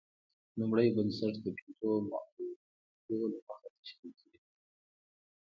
لومړی بنسټ د پنځو مولفو له مخې تشرېح کیږي.